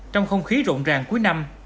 trong không khí rộng ràng cuối năm